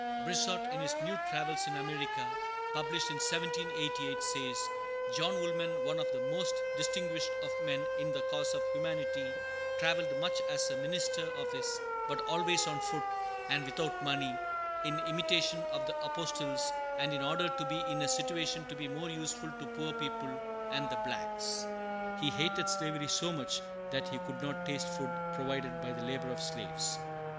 Brissot, in his New Travels in America, published in 1788, says: "John Woolman, one of the most distinguished of men in the cause of humanity, travelled much as a minister of his sect, but always on foot, and without money, in imitation of the Apostles, and in order to be in a situation to be more useful to poor people and the blacks. He hated slavery so much that he could not taste food provided by the labor of slaves."